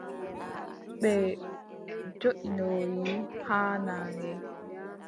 Ɓe joʼinoyi haa naange.